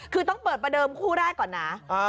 คือต้องเปิดประเดิมคู่แรกก่อนนะ